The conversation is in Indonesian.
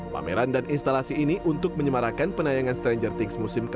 pameran dan instalasi ini untuk menyemarakan penayangan stranger things